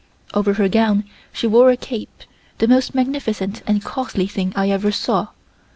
Over her gown she wore a cape, the most magnificent and costly thing I ever saw.